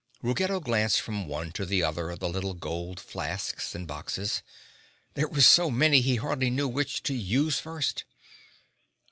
Ruggedo glanced from one to the other of the little gold flasks and boxes. There were so many he hardly knew which to use first.